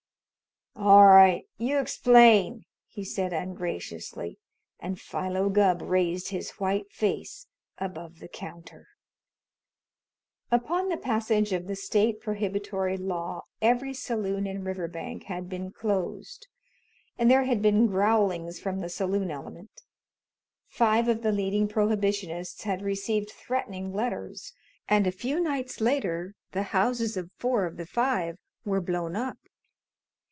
"All right, you explain," he said ungraciously, and Philo Gubb raised his white face above the counter. Upon the passage of the State prohibitory law every saloon in Riverbank had been closed and there had been growlings from the saloon element. Five of the leading prohibitionists had received threatening letters and, a few nights later, the houses of four of the five were blown up.